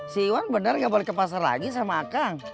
si iwan bener ngga balik ke pasar lagi sama akang